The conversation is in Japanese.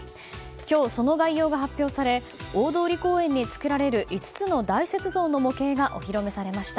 今日、その概要が発表され大通公園に作られる５つの大雪像の模型がお披露目されました。